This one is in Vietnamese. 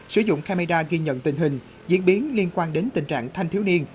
sử dụng camera ghi nhận tình hình diễn biến liên quan đến tình trạng thanh thiếu niên